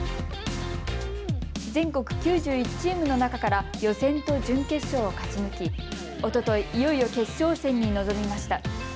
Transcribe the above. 全国９１チームの中から予選と準決勝を勝ち抜きおととい、いよいよ決勝戦に臨みました。